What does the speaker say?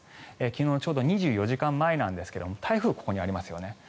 昨日のちょうど２４時間前なんですが台風、ここにありますよね。